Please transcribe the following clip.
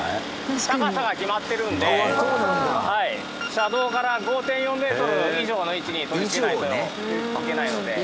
車道から５．４メートル以上の位置に取り付けないといけないので。